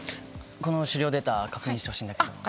この資料データ確認してほしいんだけどあっ